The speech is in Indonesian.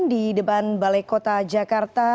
di depan balai kota jakarta